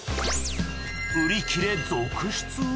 売り切れ続出！？